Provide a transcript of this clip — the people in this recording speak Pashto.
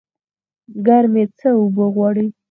ګرمي څه اوبه غواړي؟